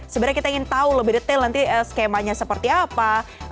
sebenarnya kita ingin tahu lebih detail nanti skemanya seperti apa